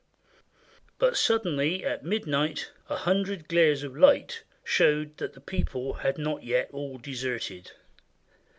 But sud denly, at midnight, a hundred glares of light showed that the people had not yet all deserted.